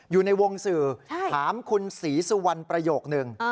อยู่ในวงสื่อถามคุณศรีสุวรรณประโยคนึง